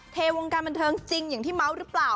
เทวงการบันเทิงจริงอย่างที่เมาส์หรือเปล่า